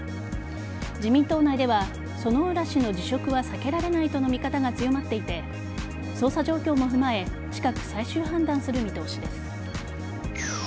自民党内では薗浦氏の辞職は避けられないとの見方が強まっていて捜査状況も踏まえ近く最終判断する見通しです。